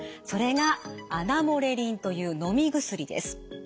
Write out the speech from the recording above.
それがアナモレリンというのみ薬です。